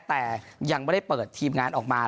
แต่ยังไม่ได้เปิดทีมงานออกมา